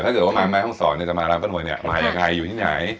ถ้าเกิดว่ามาแม่ห้องศรเนี่ยจะมาร้านป้าหมวยเนี่ยมายังไงอยู่ที่ไหน